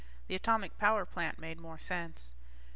The atomic power plant made more sense.